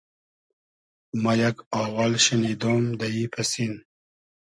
ما یئگ آوال شینیدۉم دۂ ای پئسین